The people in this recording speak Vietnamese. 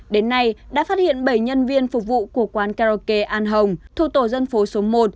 đến nay đã phát hiện bảy nhân viên phục vụ của quán karaoke an hồng thuộc tổ dân phố số một